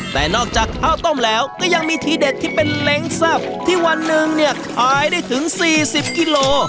แต่นอกจากข้าวต้มแล้วก็ยังมีทีเด็ดที่เป็นเล้งแซ่บที่วันหนึ่งเนี่ยขายได้ถึง๔๐กิโล